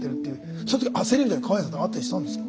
その時焦りみたいなの川栄さんとかあったりしたんですか。